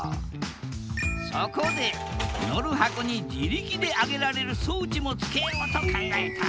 そこで乗る箱に自力で上げられる装置も付けようと考えた。